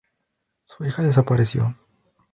Su hija desapareció.